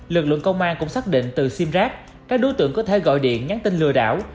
lực lượng công an cũng xác định từ sim rác các đối tượng có thể gọi điện nhắn tin lừa đảo